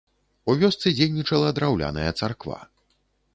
У вёсцы дзейнічала драўляная царква.